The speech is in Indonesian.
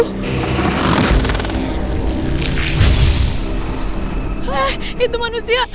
hah itu manusia